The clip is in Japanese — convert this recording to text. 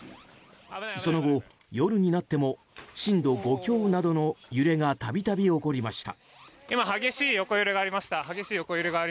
その後、夜になっても震度５強などの揺れがたびたび起こりました。